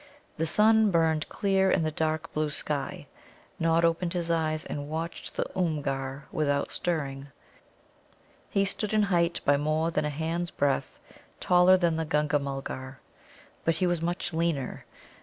The sun burned clear in the dark blue sky. Nod opened his eyes and watched the Oomgar without stirring. He stood in height by more than a hand's breadth taller than the Gunga mulgar. But he was much leaner.